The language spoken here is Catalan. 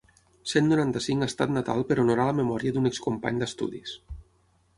Cent noranta-cinc estat natal per honorar la memòria d'un excompany d'estudis.